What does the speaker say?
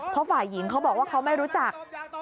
เพราะฝ่ายหญิงเขาบอกว่าเขาไม่รู้จัก